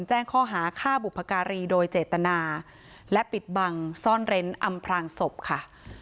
แจ้งข้อหาฆ่าบุพการีโดยเจตนาและปิดบังซ่อนเร้นอำพลางศพค่ะ